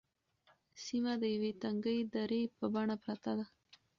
سیمه د یوې تنگې درې په بڼه پرته ده.